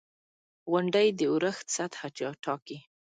• غونډۍ د اورښت سطحه ټاکي.